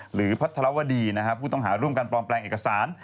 หรือพัทรวดีนะฮะผู้ต้องหาร่วมกันปลอมแปลงเอกสาร